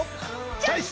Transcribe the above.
チョイス！